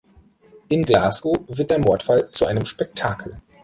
In Glasgow wird der Mordfall zu einem Spektakel.